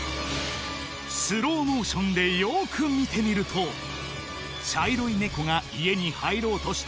スローモーションでよーく見てみると茶色いネコが家に入ろうとした